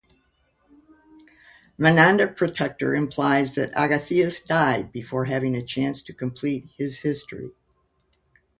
Menander Protector implies that Agathias died before having a chance to complete his history.